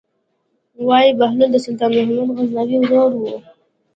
وايي بهلول د سلطان محمود غزنوي ورور و.